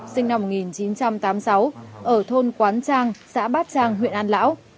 sinh năm một nghìn chín trăm tám mươi sáu ở thôn quán trang xã bát trang huyện an lão